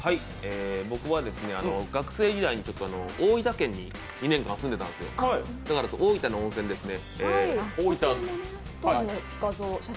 僕は学生時代に大分県に２年間住んでいたんで大分の温泉ですね。